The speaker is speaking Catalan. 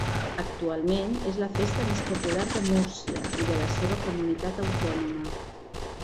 Actualment és la festa més popular de Múrcia i de la seva comunitat autònoma.